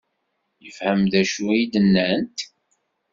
Yefhem d acu i d-nnant?